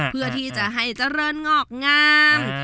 เพื่อที่จะให้เจริญงอกงาม